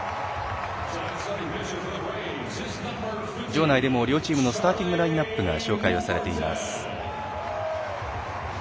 場内でも両チームのスターティングラインアップが紹介をされています。